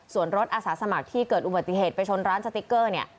ส่วนรถอาสาสมัครที่เกิดอุบัติเหตุไปชนร้านสติ๊กเกอร์เนี่ย